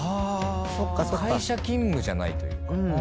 会社勤務じゃないというか。